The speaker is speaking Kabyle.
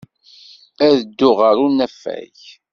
Ad dduɣ ɣer unafag.